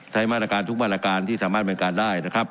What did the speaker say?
ใช้มาตรการทุกมาตรการที่สามารถบริการได้นะครับ